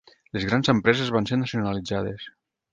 Les grans empreses van ser nacionalitzades.